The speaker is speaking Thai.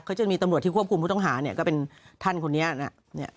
เขาจะมีตำรวจที่ควบคุมผู้ต้องหาเนี่ยก็เป็นท่านคนนี้นะครับ